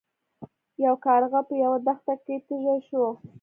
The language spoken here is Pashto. یو کارغه په یوه دښته کې تږی شو.